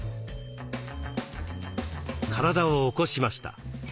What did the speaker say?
体を起こしました。